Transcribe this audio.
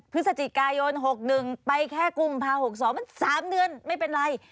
พฤศจิกายน๖๑ไปแค่กุมภา๖๒มัน๓เดือนไม่เป็นไร